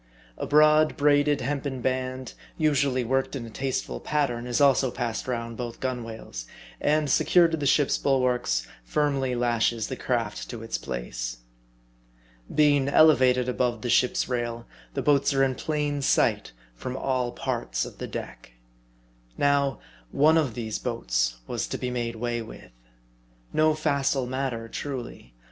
A broad, braided, hempen band, usually worked in a tasteful pattern, is also passed round both gunwales ; and secured to the ship's bulwarks, firmly lashes the craft to its place. Being elevated above the ship's rail, the boats are in plain sight from all parts of the deck. Now, one of these boats was to be made way with. No MARDI. 33 facile matter, truly.